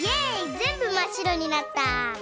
ぜんぶまっしろになった！